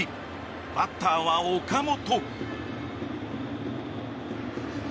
バッターは岡本。